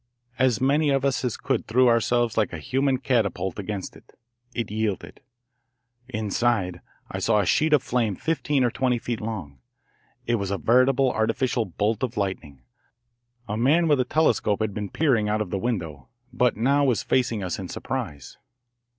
As many of us as could threw ourselves like a human catapult against it. It yielded. Inside I saw a sheet of flame fifteen or twenty feet long it was a veritable artificial bolt of lightning. A man with a telescope had been peering out of the window, but now was facing us in surprise.